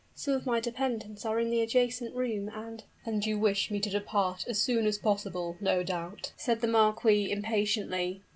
Some of my dependents are in the adjacent room, and " "And you wish me to depart as soon as possible, no doubt?" said the marquis, impatiently.